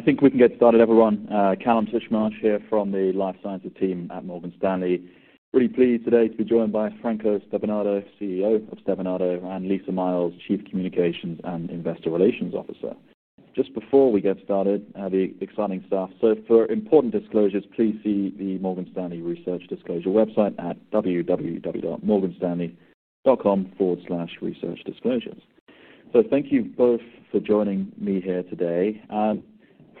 I think we can get started, everyone. Kallum Titchmarsh here from the Life Sciences team at Morgan Stanley. Really pleased today to be joined by Franco Stevanato, CEO of Stevanato, and Lisa Miles, Chief Communications and Investor Relations Officer. Just before we get started, the exciting stuff. For important disclosures, please see the Morgan Stanley Research Disclosure website at www.morganstanley.com/researchdisclosures. Thank you both for joining me here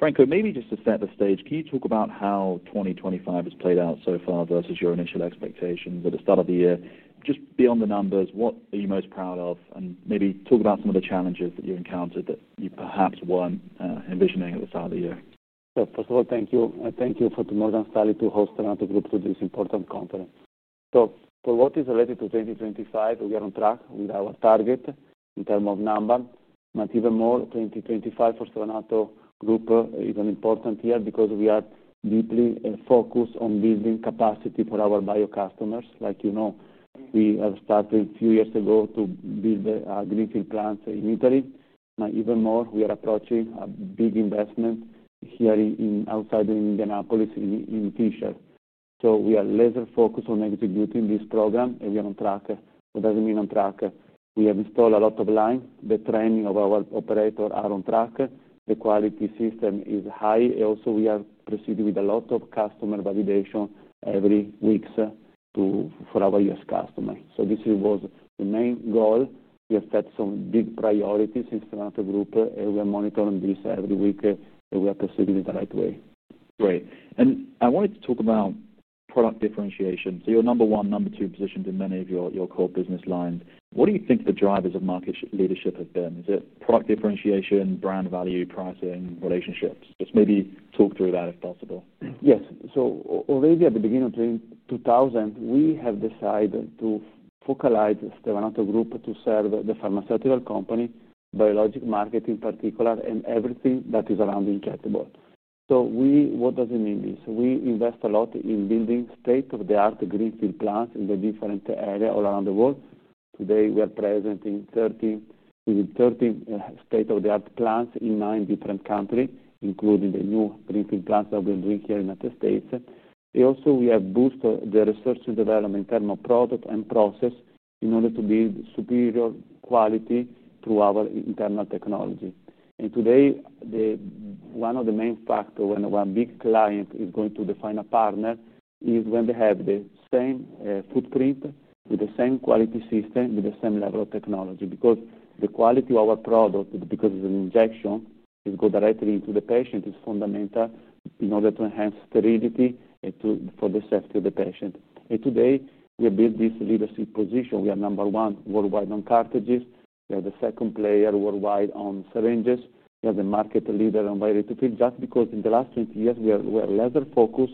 today. Franco, maybe just to set the stage, can you talk about how 2025 has played out so far versus your initial expectation at the start of the year? Just beyond the numbers, what are you most proud of? Maybe talk about some of the challenges that you encountered that you perhaps weren't envisioning at the start of the year. First of all, thank you. And thank you for Morgan Stanley to host the group for this important conference. For what is related to 2025, we'll get on track with our target in terms of numbers. Even more, 2025 for Stevanato Group is an important year because we are deeply focused on building capacity for our bio customers. Like you know, we have started a few years ago to build greenfield plants in Italy. Now, even more, we are approaching a big investment here outside Indianapolis in Fishers. We are laser focused on executing this program and we are on track. What does it mean on track? We have installed a lot of lines. The training of our operators is on track. The quality system is high. Also, we are proceeding with a lot of customer validation every week for our U.S. customers. This was the main goal. We have set some big priorities in Stevanato Group and we are monitoring this every week and we are proceeding in the right way. Great. I wanted to talk about product differentiation. Your number one, number two positions in many of your core business lines—what do you think the drivers of market leadership have been? Is it product differentiation, brand value, pricing, relationships? Just maybe talk through that if possible. Yes. Already at the beginning of 2000, we have decided to focalize Stevanato Group to serve the pharmaceutical company, biologic market in particular, and everything that is around the injectable. What does it mean? We invest a lot in building state-of-the-art greenfield plants in the different areas all around the world. Today, we are present in 13 state-of-the-art plants in nine different countries, including the new greenfield plants that we're doing here in the United States. We have boosted the research and development in terms of product and process in order to build superior quality through our internal technology. Today, one of the main factors when one big client is going to define a partner is when they have the same footprint, with the same quality system, with the same level of technology. The quality of our product, because of the injection, is going directly into the patient, is fundamental in order to enhance sterility and for the safety of the patient. Today, we have built this leadership position. We are number one worldwide on cartridges. We are the second player worldwide on syringes. We are the market leader on [bioreticulture]. Just because in the last 20 years, we have laser focus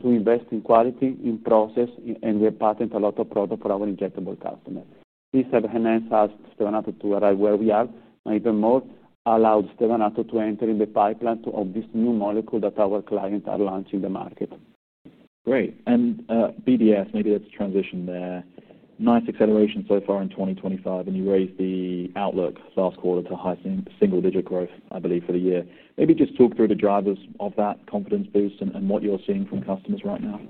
to invest in quality, in process, and we have patented a lot of products for our injectable customers. This has enhanced us, Stevanato, to arrive where we are. Even more, allowed Stevanato to enter in the pipeline of this new molecule that our clients are launching in the market. Great. BDS, maybe let's transition there. Nice acceleration so far in 2025. You raised the outlook last quarter to high single-digit growth, I believe, for the year. Maybe just talk through the drivers of that confidence boost and what you're seeing from customers right now.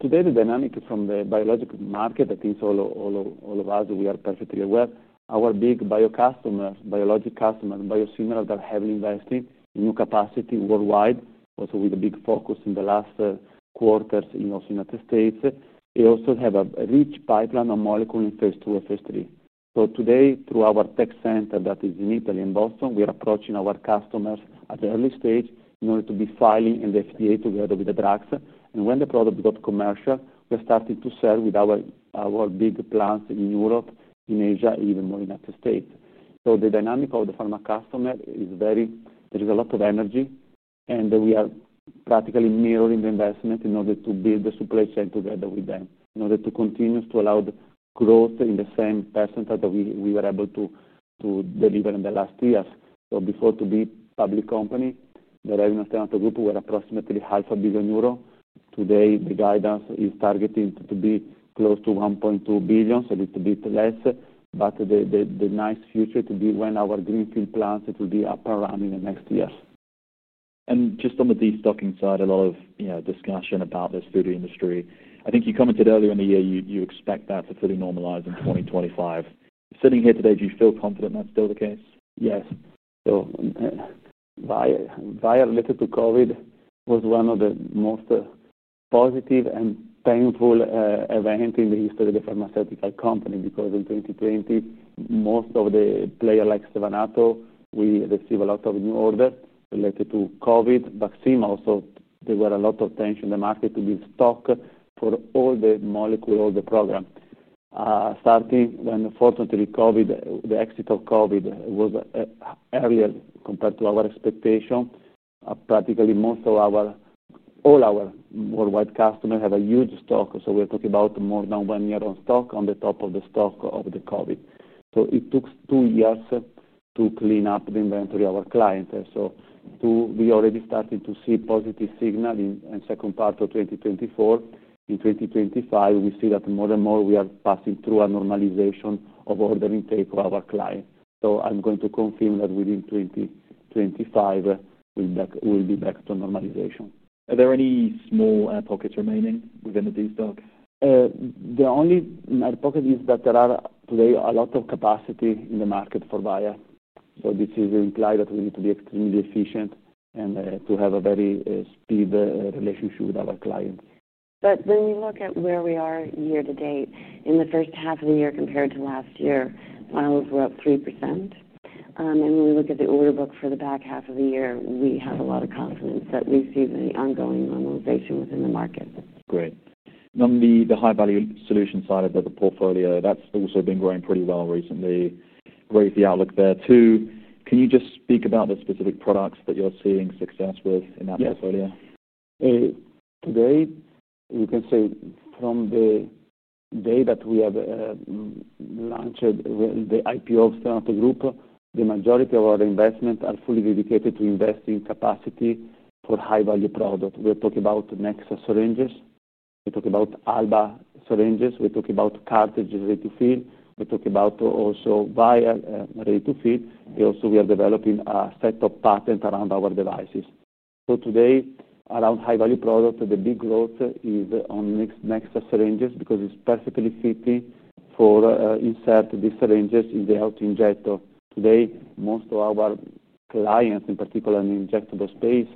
Today, the dynamic is from the biologics market that is all of us, we are perfectly aware. Our big bio customers, biologic customers, biosimilars that are heavily invested in new capacity worldwide, also with a big focus in the last quarters in the United States. We also have a rich pipeline of molecules in II, phase III. Today, through our tech center that is in Italy and Boston, we are approaching our customers at the early stage in order to be filing in the FDA together with the drugs. When the product got commercial, we started to serve with our big plants in Europe, in Asia, even more in the United States. The dynamic of the pharma customer is very, there is a lot of energy. We are practically mirroring the investment in order to build the supply chain together with them, in order to continue to allow the growth in the same percent that we were able to deliver in the last years. Before, to be a public company, the revenue of Stevanato Group was approximately 0.5 billion euro. Today, the guidance is targeting to be close to 1.2 billion, so a little bit less. The nice future to be when our greenfield plants will be up and running in the next years. On the de-stocking side, a lot of discussion about the food industry. I think you commented earlier in the year you expect that to fully normalize in 2025. Sitting here today, do you feel confident that's still the case? Yes. Related to COVID, it was one of the most positive and painful events in the history of the pharmaceutical company because in 2020, most of the players like Stevanato, we received a lot of new orders related to COVID. Vaccine also, there was a lot of tension in the market to build stock for all the molecules, all the programs. Fortunately, the exit of COVID was earlier compared to our expectation. Practically, most of our worldwide customers have a huge stock. We're talking about more than one year on stock on the top of the stock of the COVID. It took two years to clean up the inventory of our clients. We already started to see positive signals in the second part of 2024. In 2025, we see that more and more we are passing through a normalization of order intake for our clients. I'm going to confirm that within 2025, we'll be back to normalization. Are there any small ad pockets remaining within the de-stock? The only add pocket is that there is a lot of capacity in the market for buyers. This is implying that we need to be extremely efficient and to have a very speedy relationship with our clients. When you look at where we are year to date, in the first half of the year compared to last year, miles were up 3%. When we look at the order book for the back half of the year, we have a lot of confidence that we see the ongoing normalization within the market. Great. On the high-value solution side of the portfolio, that's also been growing pretty well recently. Raised the outlook there too. Can you just speak about the specific products that you're seeing success with in that portfolio? Today, you can say from the day that we have launched the IPO of Stevanato Group, the majority of our investments are fully dedicated to investing in capacity for high-value products. We're talking about Nexa syringes. We're talking about Alba syringes. We're talking about cartridges ready to fill. We're talking about also wires ready to fill. We are developing a set of patents around our devices. Today, around high-value products, the big growth is on Nexa syringes because it's perfectly fitting for inserting these syringes in the auto-injector. Today, most of our clients, in particular in the injectable space,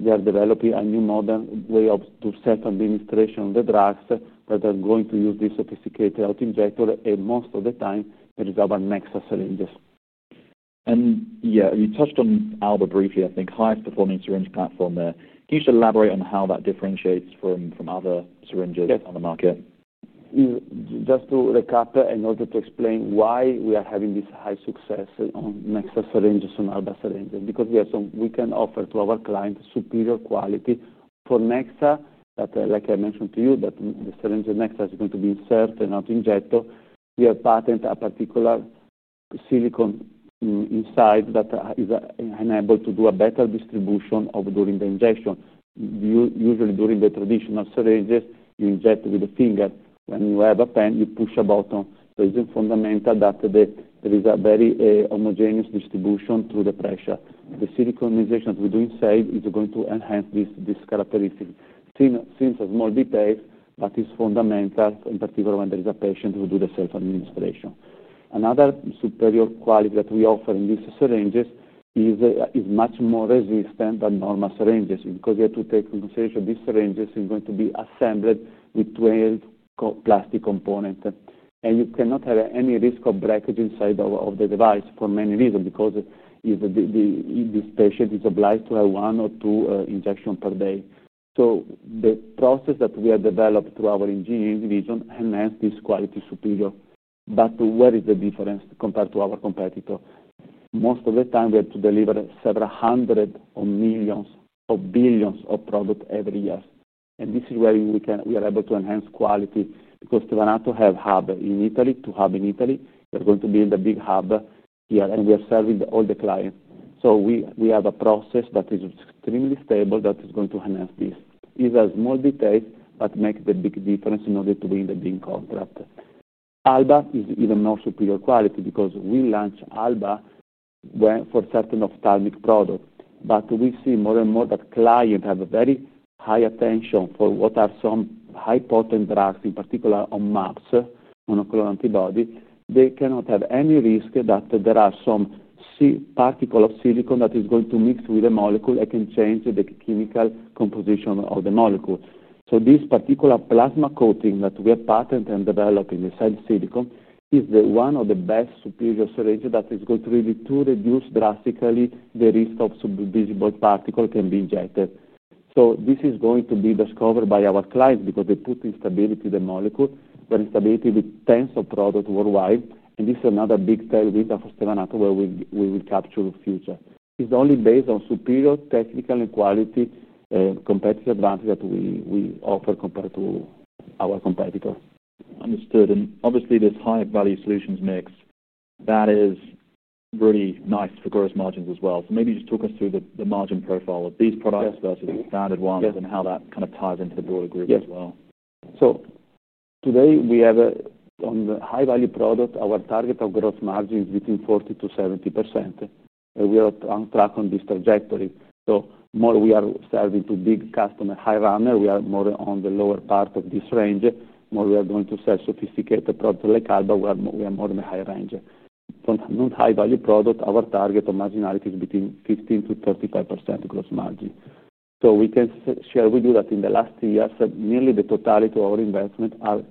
they are developing a new modern way to set the administration of the drugs where they're going to use this sophisticated auto-injector. Most of the time, it is our Nexa syringes. You touched on Alba briefly, I think, highest-performing syringe platform there. Can you just elaborate on how that differentiates from other syringes on the market? Just to recap, in order to explain why we are having this high success on Nexa syringes and Alba syringes, because we have some, we can offer to our clients superior quality for Nexa. Like I mentioned to you, that the syringe Nexa is going to be inserted in an auto-injector. We have patented a particular silicone inside that is enabled to do a better distribution during the injection. Usually, during the traditional syringes, you inject with a finger. When you have a pen, you push a button. It is fundamental that there is a very homogeneous distribution through the pressure. The silicone injection that we do inside is going to enhance this characteristic. Since it's more detailed, but it's fundamental, in particular when there is a patient who does the self-administration. Another superior quality that we offer in these syringes is it's much more resistant than normal syringes because you have to take into consideration these syringes are going to be assembled with 12 plastic components. You cannot have any risk of breakage inside of the device for many reasons because this patient is obliged to have one or two injections per day. The process that we have developed through our engineering division enhances this quality superior. Where is the difference compared to our competitors? Most of the time, we have to deliver several hundreds of millions or billions of products every year. This is where we are able to enhance quality because Stevanato has a hub in Italy. Two hubs in Italy. We are going to build a big hub here and we are serving all the clients. We have a process that is extremely stable that is going to enhance this. It is a small detail, but makes the big difference in order to win the big contract. Alba is even more superior quality because we launched Alba for certain ophthalmic products. We see more and more that clients have a very high attention for what are some high-potent drugs, in particular on mAbs, monoclonal antibodies. They cannot have any risk that there are some particles of silicone that are going to mix with a molecule that can change the chemical composition of the molecule. This particular plasma coating that we have patented and developed inside silicone is one of the best superior syringes that is going to really reduce drastically the risk of visible particles that can be injected. This is going to be discovered by our clients because they put instability in the molecule. We are instability with tens of products worldwide. This is another big selling winner for Stevanato where we will capture the future. It's only based on superior technical and quality competitive advantage that we offer compared to our competitors. Understood. Obviously, this high-value solutions mix, that is really nice for gross margins as well. Maybe just talk us through the margin profile of these products versus the standard ones and how that kind of ties into the broader group as well. Today, we have a high-value product. Our target of gross margin is between 40%-70%. We are on track on this trajectory. The more we are serving big customers, high runners, we are more on the lower part of this range. The more we are going to sell sophisticated products like Alba, we are more in the high range. For non-high-value products, our target of marginality is between 15%-35% gross margin. We can share with you that in the last three years, nearly the totality of our investments are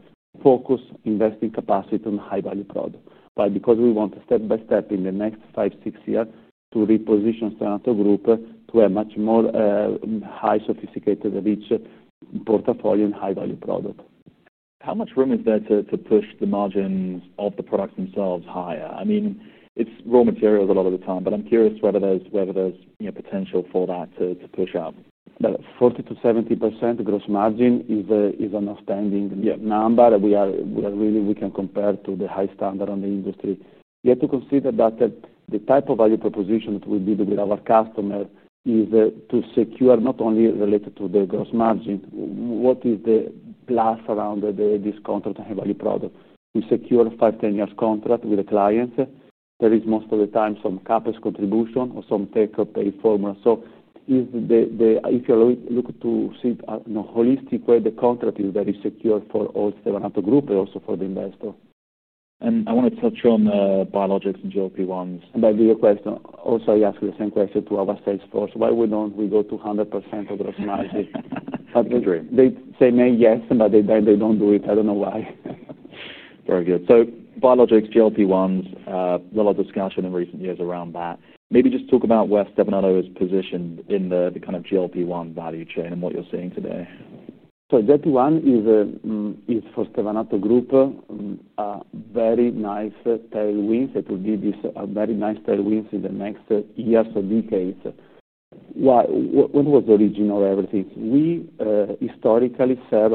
focused on investing capacity on high-value products. Why? Because we want step by step in the next five, six years to reposition Stevanato Group to a much more high, sophisticated, rich portfolio in high-value products. How much room is there to push the margins of the products themselves higher? I mean, it's raw materials a lot of the time, but I'm curious whether there's potential for that to push up. 40%-70% gross margin is an outstanding number. We are really, we can compare to the high standard in the industry. You have to consider that the type of value proposition that we deliver to our customers is to secure not only related to the gross margin. What is the plus around this contract on high-value products? We secure a five, ten years contract with the clients. There is most of the time some CapEx contribution or some take-up pay formula. If you look to see a holistic way, the contract is very secure for all Stevanato Group, but also for the investor. I want to touch on biologics and GLP-1s. I give you a question. I ask the same question to our sales force. Why don't we go to 100% of gross margin? They say yes, but they don't do it. I don't know why. Very good. Biologics, GLP-1s, a lot of discussion in recent years around that. Maybe just talk about where Stevanato is positioned in the kind of GLP-1 value chain and what you're seeing today. GLP-1 is for Stevanato Group a very nice tailwind. It will give you a very nice tailwind in the next years or decades. What was the original [reverties]? We historically serve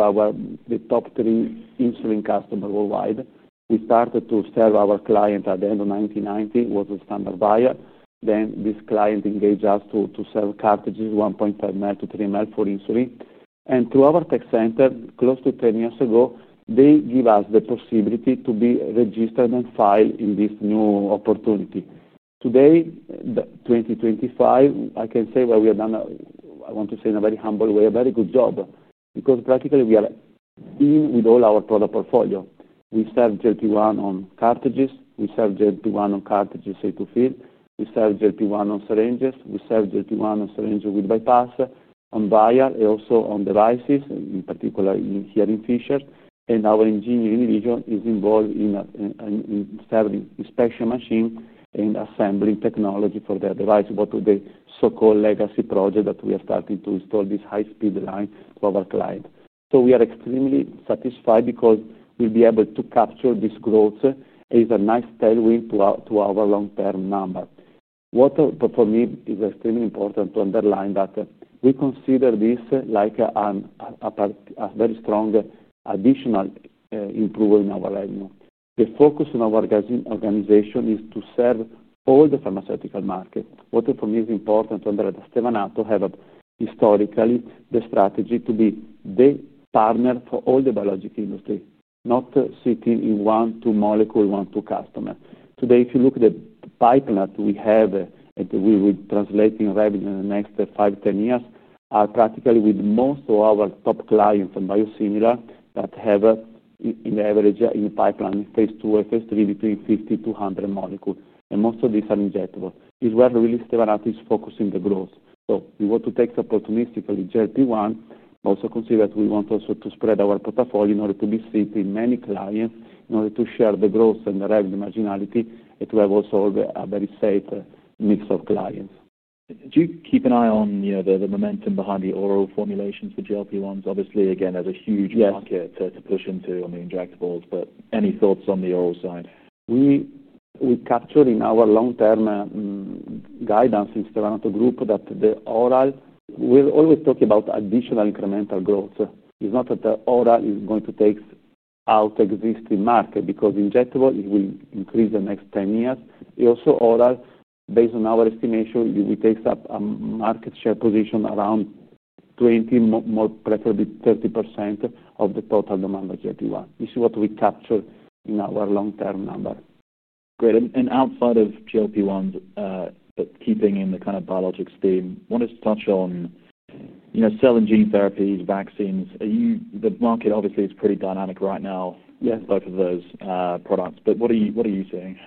the top three insulin customers worldwide. We started to serve our clients at the end of 1990, was a standard buyer. Then this client engaged us to sell cartridges 1.5 mL to 3 mL for insulin. Through our tech center, close to 10 years ago, they give us the possibility to be registered and filed in this new opportunity. Today, 2025, I can say what we have done, I want to say in a very humble way, a very good job because practically we are in with all our product portfolio. We serve GLP-1 on cartridges. We serve GLP-1 on cartridges safe to fill. We serve GLP-1 on syringes. We serve GLP-1 on syringes with bypass on buyers and also on devices, in particular here in Fishers. Our engineering division is involved in serving inspection machines and assembling technology for their devices, both of the so-called legacy projects that we are starting to install this high-speed line for our clients. We are extremely satisfied because we'll be able to capture this growth. It is a nice tailwind to our long-term number. What for me is extremely important to underline is that we consider this like a very strong additional improvement in our revenue. The focus in our organization is to serve all the pharmaceutical markets. What for me is important to understand is that Stevanato has historically the strategy to be the partner for all the biologic industry, not sitting in one to molecule, one to customer. Today, if you look at the pipeline that we have and we would translate in revenue in the next five, 10 years, are practically with most of our top clients and biosimilars that have an average in the pipeline phase II and phase III between 50 molecules-100 molecules. Most of these are injectable. It's where really Stevanato is focusing the growth. We want to take opportunistically GLP-1, but also consider that we want also to spread our portfolio in order to be seen in many clients, in order to share the growth and the revenue marginality, and to have also a very safe mix of clients. Do you keep an eye on the momentum behind the oral formulations for GLP-1s? Obviously, again, there's a huge market to push into on the injectables. Any thoughts on the oral side? We've captured in our long-term guidance in Stevanato Group that the oral, we're always talking about additional incremental growth. It's not that the oral is going to take out existing market because injectable, it will increase in the next 10 years. Also, oral, based on our estimation, it will take up a market share position around 20%, more preferably 30% of the total demand for GLP-1. This is what we capture in our long-term number. Great. Outside of GLP-1s, keeping in the kind of biologics theme, I want us to touch on, you know, cell and gene therapies, vaccines. The market obviously is pretty dynamic right now with both of those products. What are you seeing?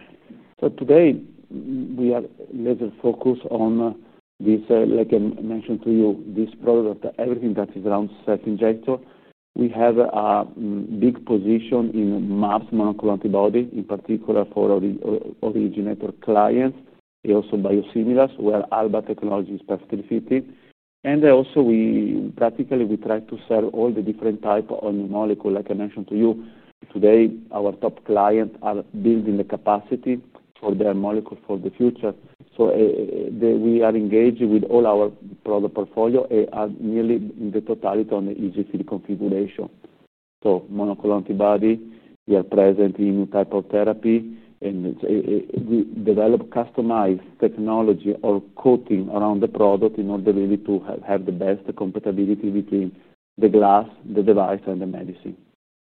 Today, we have laser focus on these, like I mentioned to you, these products that everything that is around set injector. We have a big position in mABS, monoclonal antibodies, in particular for our originator clients. They are also biosimilars where Alba technology is perfectly fitting. We practically try to sell all the different types of new molecules. Like I mentioned to you, today, our top clients are building the capacity for their molecules for the future. We are engaged with all our product portfolio and nearly in the totality on the EZ-fill configuration. Monoclonal antibodies, we are present in a new type of therapy, and we develop customized technology or coating around the product in order really to have the best compatibility between the glass, the device, and the medicine.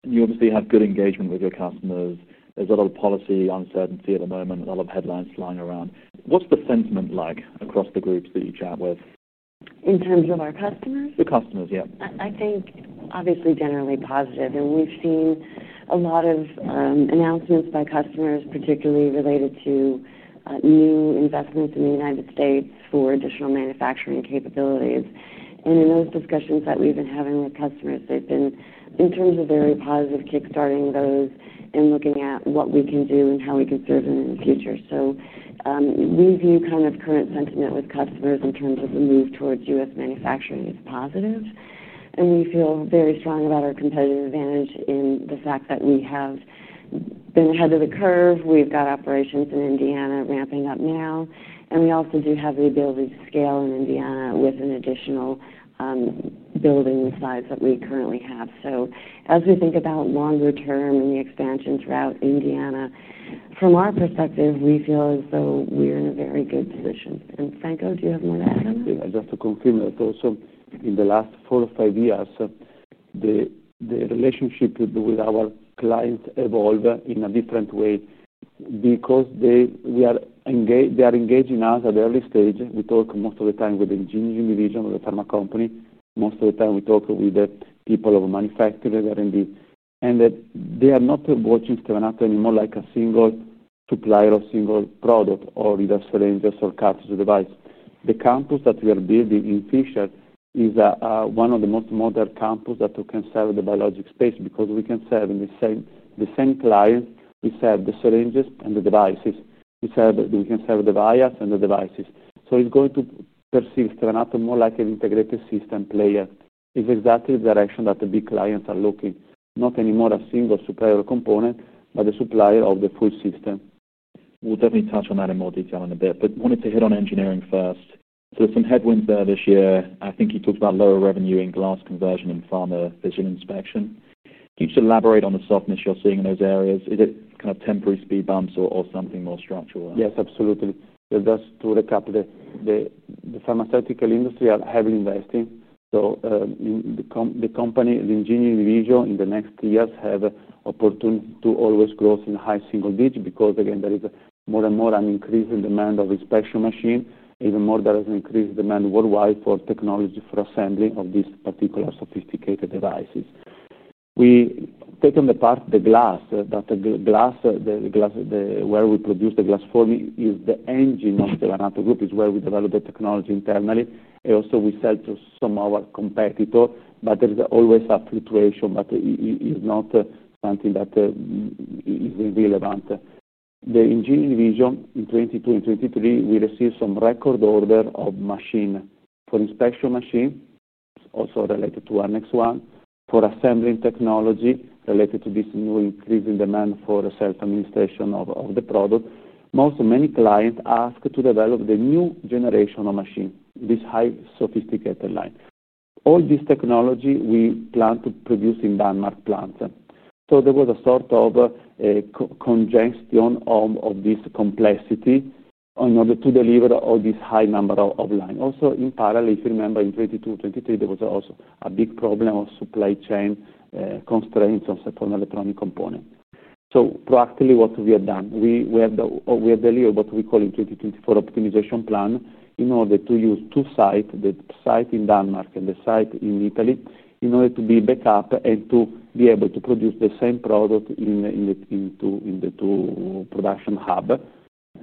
You obviously have good engagement with your customers. There's a lot of policy uncertainty at the moment, a lot of headlines flying around. What's the sentiment like across the groups that you chat with? In terms of our customers? The customers, yeah. I think obviously generally positive. We've seen a lot of announcements by customers, particularly related to new investments in the United States for additional manufacturing capabilities. In those discussions that we've been having with customers, they've been very positive, kickstarting those and looking at what we can do and how we can serve them in the future. We view kind of current sentiment with customers in terms of the move towards U.S. manufacturing as positive. We feel very strong about our competitive advantage in the fact that we have been ahead of the curve. We've got operations in Indiana ramping up now. We also do have the ability to scale in Indiana with an additional building size that we currently have. As we think about longer term and the expansion throughout Indiana, from our perspective, we feel as though we're in a very good position. Franco, do you have more to add on that? I just want to confirm that also in the last four or five years, the relationship with our clients evolves in a different way because they are engaging us at the early stage. We talk most of the time with the engineering division of the pharma company. Most of the time, we talk with the people of the manufacturer that are indeed. They are not watching Stevanato anymore like a single supplier of single products or either syringes or cartridge devices. The campus that we are building in Fishers is one of the most modern campuses that can serve the biologics space because we can serve the same clients. We serve the syringes and the devices. We can serve the buyers and the devices. It is going to perceive Stevanato more like an integrated system player. It is exactly the direction that the big clients are looking. Not anymore a single supplier or component, but a supplier of the full system. We'll definitely touch on that in more detail in a bit. I wanted to hit on engineering first. There's some headwinds there this year. I think you talked about lower revenue in glass conversion in pharma vision inspection. Can you just elaborate on the softness you're seeing in those areas? Is it kind of temporary speed bumps or something more structural? Yes, absolutely. Just to recap, the pharmaceutical industry is heavily investing. In the company, the engineering division in the next years has the opportunity to always grow in a high single digit because, again, there is more and more an increase in the demand of inspection machines. Even more, there is an increase in the demand worldwide for technology for assembly of these particular sophisticated devices. We take on the part of the glass. The glass where we produce the glass forming is the engine of Stevanato Group. It's where we develop the technology internally, and also, we sell to some of our competitors. There is always a fluctuation that is not something that is irrelevant. The engineering division in 2022 and 2023, we received some record orders of machines for inspection machines. It's also related to our next one for assembling technology related to this new increase in demand for self-administration of the product. Many clients ask to develop the new generation of machines, this high sophisticated line. All this technology we plan to produce in Denmark plants. There was a sort of congestion of this complexity in order to deliver all this high number of lines. In parallel, if you remember, in 2022 and 2023, there was also a big problem of supply chain constraints on second electronic components. Proactively, what we have done, we have delivered what we call a 2024 optimization plan in order to use two sites, the site in Denmark and the site in Italy, in order to be backed up and to be able to produce the same product in the two production hubs.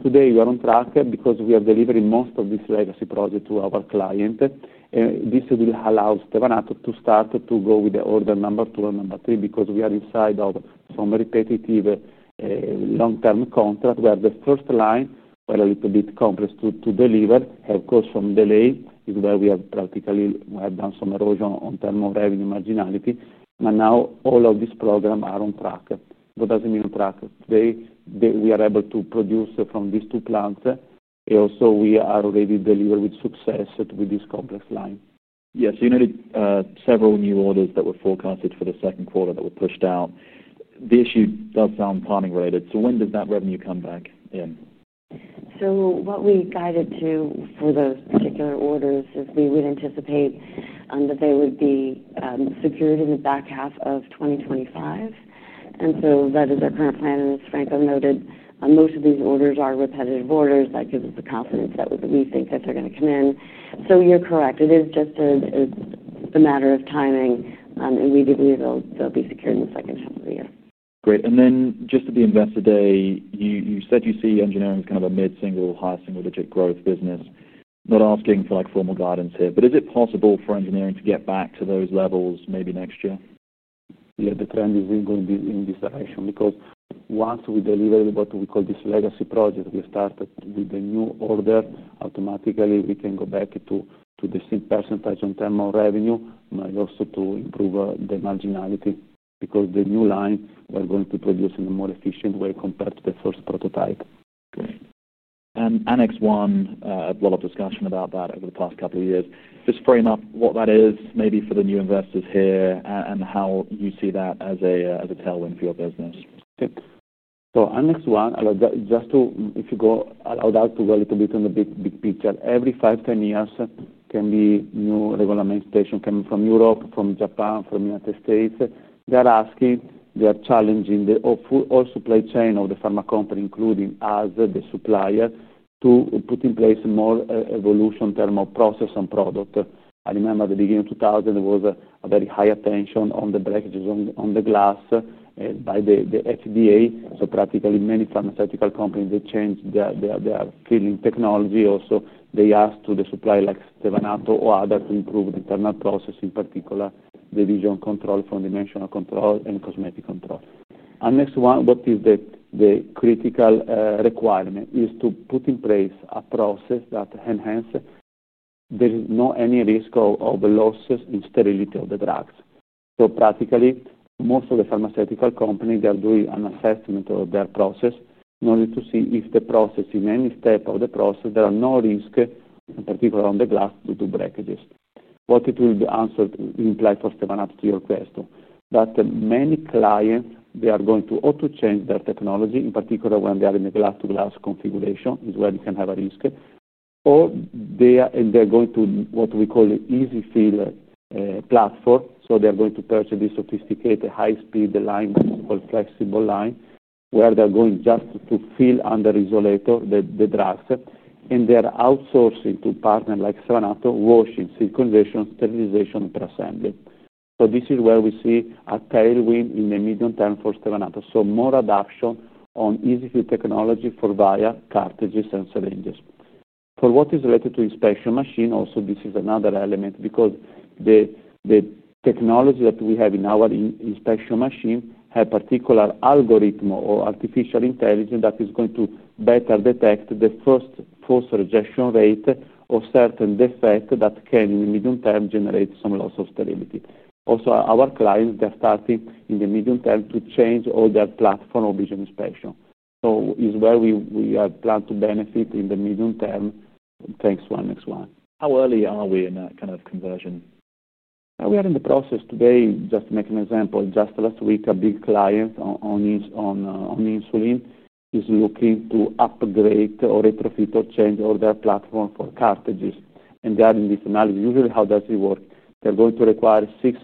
Today, we are on track because we are delivering most of these legacy projects to our clients. This will allow Stevanato to start to go with the order number two and number three because we are inside of some repetitive long-term contracts where the first line, where a little bit complex to deliver, had caused some delays. It's where we have practically done some erosion in terms of revenue marginality. Now, all of these programs are on track. What does it mean on track? Today, we are able to produce from these two plants, and also, we are already delivering with success to this complex line. Yeah, you noted several new orders that were forecasted for the second quarter that were pushed out. The issue does sound planning-related. When does that revenue come back in? What we guided to for those particular orders is we would anticipate that they would be secured in the back half of 2025. That is our current plan. As Franco noted, most of these orders are repetitive orders. That gives us the confidence that we think that they're going to come in. You're correct, it is just a matter of timing. We do believe they'll be secured in the second half of the year. Great. At the investor day, you said you see engineering kind of a mid-single, high single-digit growth business. Not asking for like formal guidance here, but is it possible for engineering to get back to those levels maybe next year? Yeah, the trend is going to be in this direction because once we deliver what we call this legacy project, we start with a new order. Automatically, we can go back to the same percentage in terms of revenue and also to improve the marginality because the new lines were going to produce in a more efficient way compared to the first prototype. Great. Our next one, a lot of discussion about that over the past couple of years. Just frame up what that is maybe for the new investors here and how you see that as a tailwind for your business. Okay. Our next one, just to if you go, I would like to go a little bit in the big picture. Every five, ten years, there can be new regulatory administration coming from Europe, from Japan, from the United States. They're asking, they're challenging the whole supply chain of the pharma company, including us, the supplier, to put in place more evolution in terms of process and product. I remember at the beginning of 2000, there was a very high attention on the breakages on the glass by the FDA. Practically, many pharmaceutical companies, they changed their filling technology. Also, they asked to the supplier like Stevanato or other to improve the internal process, in particular, the vision control, four-dimensional control, and cosmetic control. Our next one, what is the critical requirement is to put in place a process that enhances there is not any risk of losses in sterility of the drugs. Practically, most of the pharmaceutical companies, they are doing an assessment of their process in order to see if the process, in any step of the process, there are no risks, in particular on the glass, due to breakages. What it will be answered in light of Stevanato to your question, that many clients, they are going to auto-change their technology, in particular when they are in the glass-to-glass configuration, is where they can have a risk. They are going to what we call the EZ-fill platform. They are going to purchase this sophisticated high-speed line called flexible line, where they're going just to fill under the isolator the drugs. They're outsourcing to partners like Stevanato, washing, siliconization, sterilization, and pre-assembly. This is where we see a tailwind in the medium term for Stevanato. More adoption on EZ-fill technology for buyers, cartridges, and syringes. For what is related to inspection machines, also this is another element because the technology that we have in our inspection machines has a particular algorithm or artificial intelligence that is going to better detect the first force rejection rate of certain defects that can in the medium term generate some loss of sterility. Also, our clients, they're starting in the medium term to change all their platform or vision inspection. It's where we plan to benefit in the medium term thanks to our next one. How early are we in that kind of conversion? We are in the process today, just to make an example. Just last week, a big client on insulin is looking to upgrade or retrofit or change all their platform for cartridges. They are in this analysis. Usually, how does it work? They're going to require six,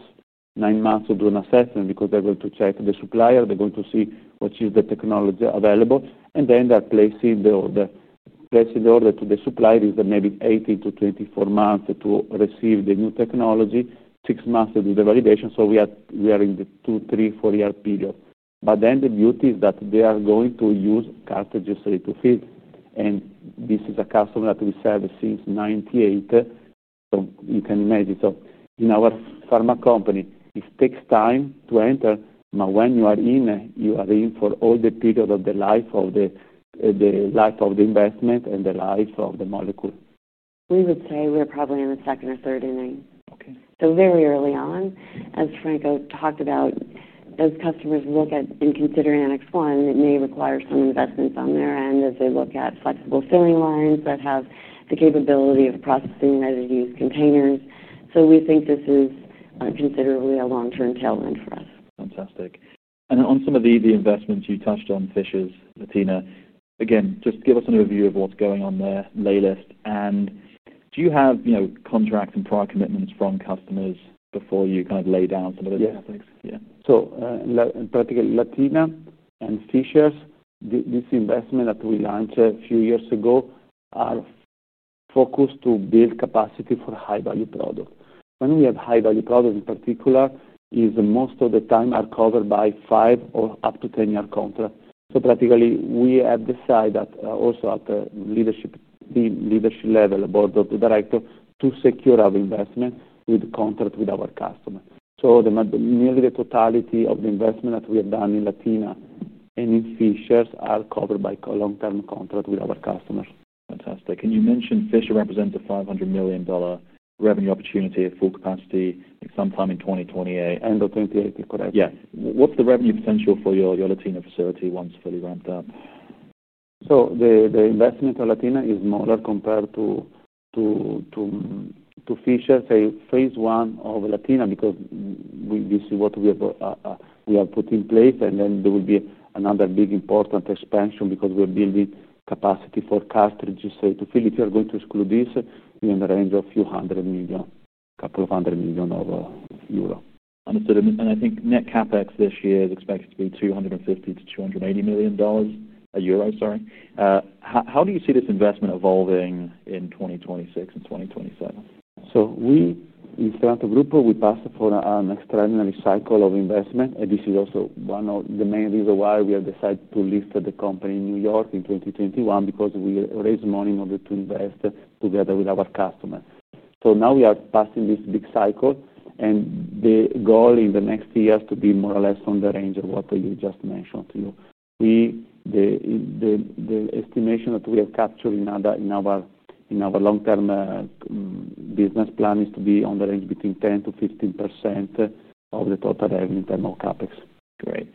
nine months to do an assessment because they're going to check the supplier. They're going to see what is the technology available. Then they're placing the order. Placing the order to the supplier is maybe 18 months-24 months to receive the new technology. Six months to do the validation. We are in the two, three, four-year period. The beauty is that they are going to use cartridges safe to fill. This is a customer that we serve since 1998. You can imagine. In our pharma company, it takes time to enter. When you are in, you are in for all the period of the life of the investment and the life of the molecule. We would say we're probably in the second or third inning, very early on, as Franco talked about. As customers look at and consider in our next one, it may require some investments on their end as they look at flexible filling lines that have the capability of processing and ready-to-use containers. We think this is considerably a long-term tailwind for us. Fantastic. On some of the investments you touched on, Fishers, Latina, again, just give us an overview of what's going on there, the lay list. Do you have contracts and prior commitments from customers before you kind of lay down some of those tactics? Yeah. In particular, Latina and Fishers, this investment that we launched a few years ago is focused to build capacity for high-value products. When we have high-value products, in particular, most of the time are covered by five or up to ten-year contracts. We have decided that also at the leadership level, the Board of Directors, to secure our investment with contract with our customers. Nearly the totality of the investment that we have done in Latina and in Fishers are covered by a long-term contract with our customers. Fantastic. You mentioned Fishers represent a $500 million revenue opportunity at full capacity sometime in 2028. End of 2028, correct? Yeah, what's the revenue potential for your Latina facility once fully ramped up? The investment for Latina is smaller compared to Fishers. Phase I of Latina, because we see what we have put in place, and then there will be another big important expansion because we are building capacity for cartridges, safe to fill. If you're going to exclude this, we are in the range of a few hundred million, a couple of hundred million of euros. Understood. I think net CapEx this year is expected to be EUR 250-EUR 280 million. How do you see this investment evolving in 2026 and 2027? In Stevanato Group, we passed upon an extraordinary cycle of investment. This is also one of the main reasons why we have decided to list the company in New York in 2021, because we raised money in order to invest together with our customers. Now we are passing this big cycle, and the goal in the next year is to be more or less on the range of what I just mentioned to you. The estimation that we have captured in our long-term business plan is to be on the range between 10% to 15% of the total revenue in terms of CapEx. Great.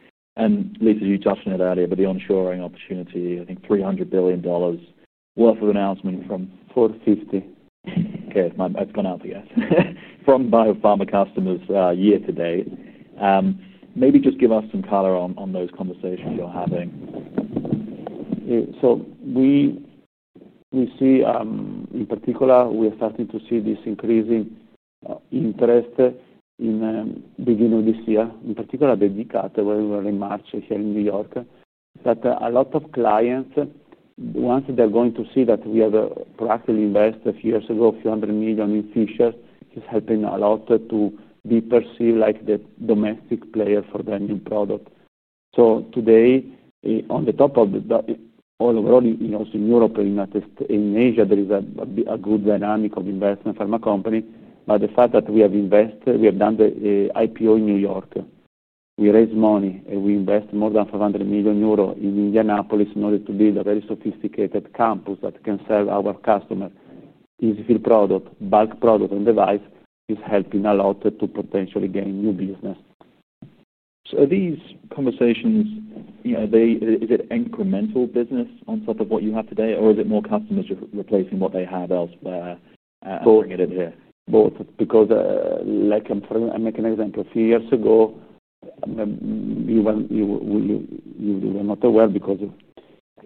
Lisa, you touched on it earlier, but the onshoring opportunity, I think $300 billion worth of announcement from. 450. Okay, it's gone out, I guess, from biopharma customers year to date. Maybe just give us some color on those conversations you're having. We see, in particular, we are starting to see this increasing interest in the beginning of this year, in particular at D-CAT, where we were in March here in New York, that a lot of clients, once they're going to see that we have proactively invested a few years ago, a few hundred million in Fishers, it's helping a lot to be perceived like the domestic player for their new product. Today, on the top of the, all overall, in Europe, in the United States, in Asia, there is a good dynamic of investment from pharma companies. The fact that we have invested, we have done the IPO in New York, we raised money and we invest more than 500 million euro in Indianapolis in order to build a very sophisticated campus that can serve our customers. EZ-fill product, bulk product, and device is helping a lot to potentially gain new business. Are these conversations incremental business on top of what you have today, or is it more customers replacing what they have elsewhere and bringing it in here? Both, because I can throw, I make an example. A few years ago, you were not aware because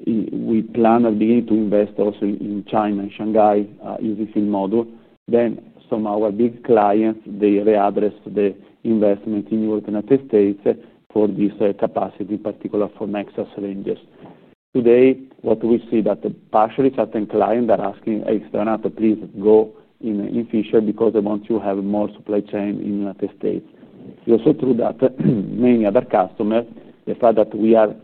we planned at the beginning to invest also in China and Shanghai using the same model. Some of our big clients readdressed the investment in the United States for this capacity, particularly for Nexa syringes. Today, what we see is that partially certain clients are asking Stevanato, please go in Fishers because they want to have more supply chain in the United States. We also through that many other customers, the fact that we are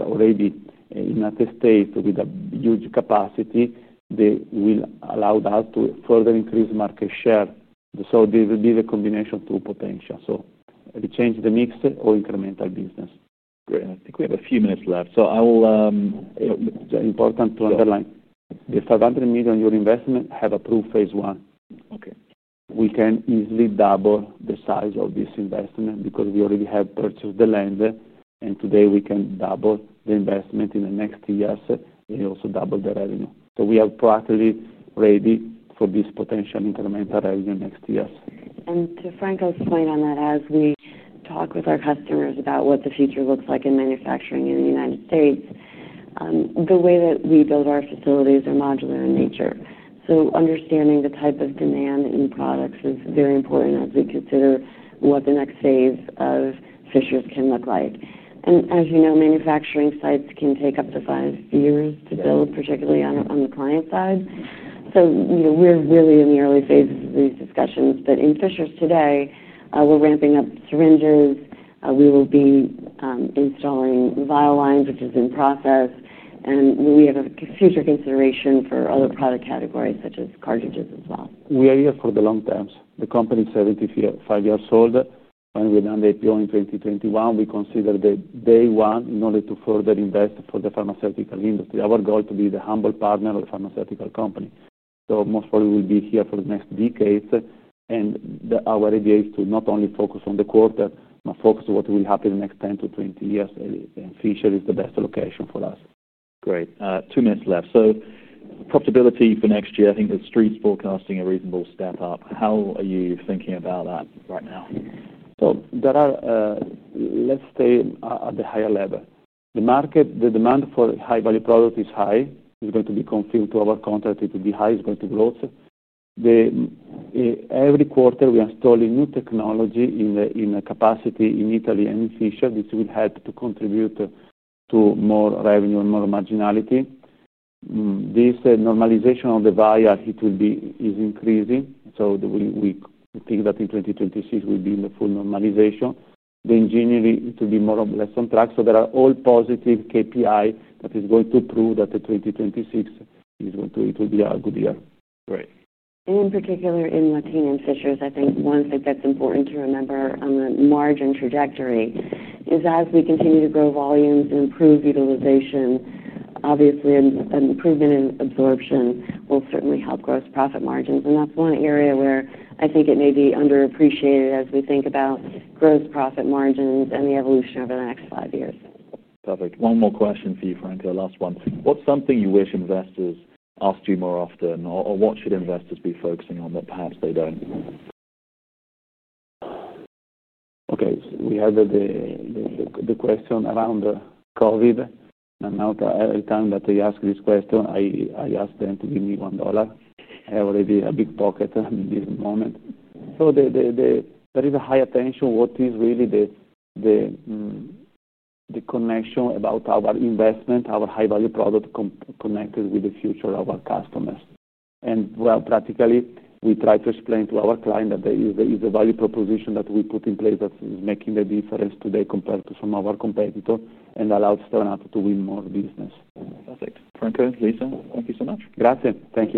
already in the U.S. with a huge capacity, they will allow us to further increase market share. There will be a combination of two potentials. We change the mix or increment our business. Great. I think we have a few minutes left. I'll... It's important to underline the 500 million investment has approved phase I. Okay. We can easily double the size of this investment because we already have purchased the land. Today, we can double the investment in the next years. We also double the revenue. We are proactively ready for this potential incremental revenue next year. To Franco's point on that, as we talk with our customers about what the future looks like in manufacturing in the United States, the way that we build our facilities is modular in nature. Understanding the type of demand that your product has is very important as we consider what the next phase of Fishers can look like. As you know, manufacturing sites can take up to five years to build, particularly on the client side. We're really in the early phase of these discussions. In Fishers today, we're ramping up syringes. We will be installing vial lines, which is in process, and we have a future consideration for other product categories, such as cartridges as well. We are here for the long term. The company is 75 years old. When we've done the IPO in 2021, we considered the day one in order to further invest for the pharmaceutical industry. Our goal is to be the humble partner of pharmaceutical companies. Most probably we'll be here for the next decades. Our idea is to not only focus on the quarter, but focus on what will happen in the next 10-20 years. Fishers is the best location for us. Great. Two minutes left. Profitability for next year, I think the street's forecasting a reasonable step up. How are you thinking about that right now? There are, let's stay at the higher level. The market, the demand for high-value products is high. It's going to be confirmed to our contractor to be high. It's going to grow. Every quarter, we are installing new technology in the capacity in Italy and in Fishers. This will help to contribute to more revenue and more marginality. This normalization of the buyer, it will be increasing. We think that in 2026, we'll be in the full normalization. The engineering, it will be more or less on track. There are all positive KPIs that are going to prove that in 2026, it will be a good year. Great. In particular, in Latina and Fishers, I think one thing that's important to remember on the margin trajectory is as we continue to grow volumes and improve utilization, obviously, an improvement in absorption will certainly help gross profit margins. That's one area where I think it may be underappreciated as we think about gross profit margins and the evolution over the next five years. Perfect. One more question for you, Franco, last one. What's something you wish investors asked you more often? Or what should investors be focusing on that perhaps they don't? Okay. We have the question around COVID. Every time that they ask this question, I ask them to give me $1. I have already a big pocket at this moment. There is a high attention to what is really the connection about our investment, our high-value product connected with the future of our customers. Practically, we try to explain to our clients that there is a value proposition that we put in place that is making the difference today compared to some of our competitors and allows Stevanato to win more business. Perfect. Franco, Lisa, thank you so much. Grazie, thank you.